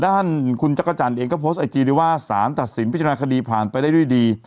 ด้านคุณจักรจันทร์เองก็โพสต์ไอจีได้ว่าสารตัดสินพิจารณาคดีผ่านไปได้ด้วยดี